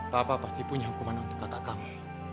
papa pasti punya hukuman untuk kakak kami